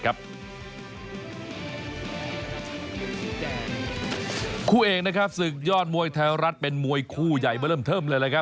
คู่เอกสึกยอดมวยไทยรัดเป็นมวยคู่ใหญ่มาเริ่มเท่าเลย